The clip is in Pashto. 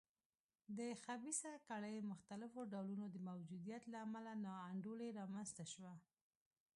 د خبیثه کړۍ مختلفو ډولونو د موجودیت له امله نا انډولي رامنځته شوه.